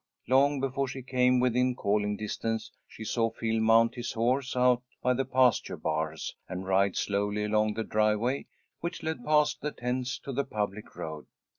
Long before she came within calling distance, she saw Phil mount his horse out by the pasture bars, and ride slowly along the driveway which led past the tents to the public road.